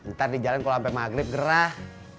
ntar di jalan kalo sampe maghrib gerah